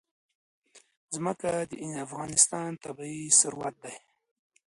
ځمکه د افغانستان طبعي ثروت دی.